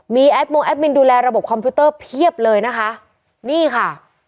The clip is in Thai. มีแอดมงแอดมินดูแลระบบคอมพิวเตอร์เพียบเลยนะคะนี่ค่ะ